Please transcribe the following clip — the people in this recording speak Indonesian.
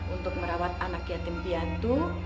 untuk merawat anak yatim piatu